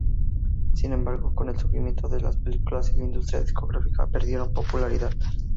Sin embargo, con el surgimiento de las películas y la industria discográfica, perdieron popularidad.